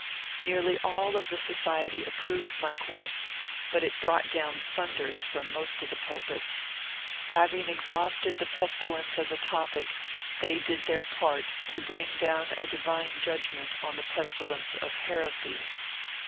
Nearly all of the society approved my coarse, but it brought dovm thunders from most of the pulpits. Having exhausted the pestilence as a topic, they did their part to bring dovm a divine judgment on the pestilence of heresy.